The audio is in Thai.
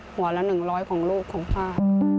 หัวละ๑๑๐๐บาทของลูกของข้า